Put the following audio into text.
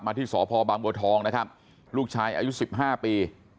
ที่สพบางบัวทองนะครับลูกชายอายุ๑๕ปี